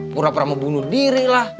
pura pura mau bunuh diri lah